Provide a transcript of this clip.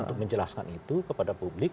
untuk menjelaskan itu kepada publik